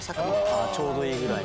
ちょうどいいぐらいの？